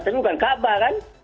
tapi bukan kaabah kan